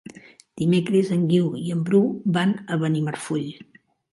Dimecres en Guiu i en Bru van a Benimarfull.